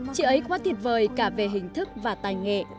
chị ấy quá tuyệt vời cả về hình thức và tài nghệ